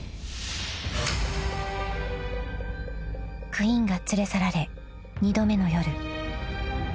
［クインが連れ去られ２度目の夜］